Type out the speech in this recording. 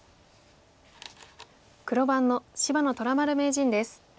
黒番の芝野虎丸名人です。